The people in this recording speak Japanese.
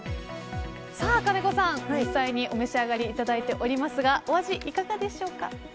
さあ金子さん、実際にお召し上がりいただいていますがお味はいかがですか。